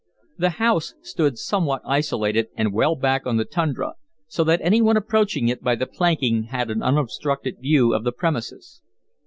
The house stood somewhat isolated and well back on the tundra, so that any one approaching it by the planking had an unobstructed view of the premises.